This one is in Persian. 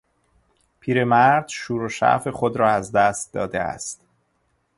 پیرمرد شور و شعف خود را از دست داده است.